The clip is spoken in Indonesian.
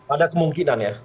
ada kemungkinan ya